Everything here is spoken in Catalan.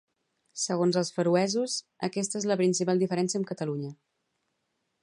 Segons els feroesos, aquesta és la principal diferència amb Catalunya.